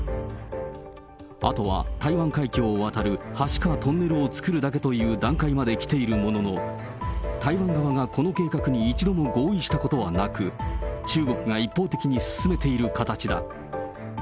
あとは台湾海峡を渡る、橋かトンネルを作るだけという段階まで来ているものの、台湾側がこの計画に一度も合意したことはなく、中国が一方的に進めている形だ。